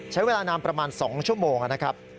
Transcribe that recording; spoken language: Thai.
ใช้เวลานานประมาณ๒ชั่วโมงนะครับ